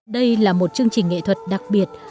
đây là một chương trình nghệ thuật đặc biệt